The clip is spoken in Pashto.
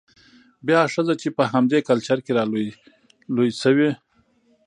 بيا ښځه چې په همدې کلچر کې رالوى شوې،